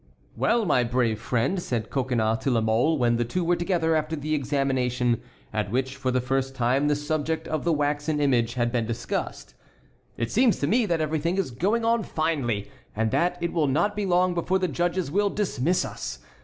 "Well, my brave friend," said Coconnas to La Mole, when the two were together after the examination, at which, for the first time, the subject of the waxen image had been discussed, "it seems to me that everything is going on finely, and that it will not be long before the judges will dismiss us.